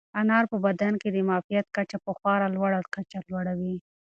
انار په بدن کې د معافیت کچه په خورا لوړه کچه لوړوي.